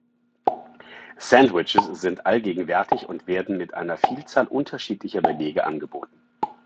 Sandwiches sind allgegenwärtig und werden mit einer Vielzahl unterschiedlicher Beläge angeboten.